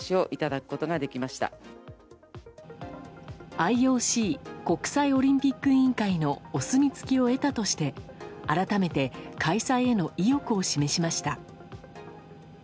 ＩＯＣ・国際オリンピック委員会のお墨付きを得たとして改めて開催への意欲を示しました。